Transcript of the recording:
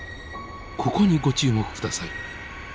ここにご注目下さい。